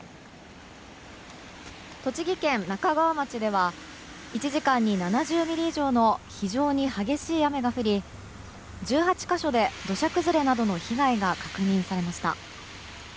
栃木県那珂川町では１時間に７０ミリ以上の非常に激しい雨が降り１８か所で土砂崩れなどの被害が確認されました。